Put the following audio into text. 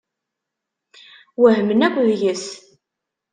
Wehmen akk deg-s.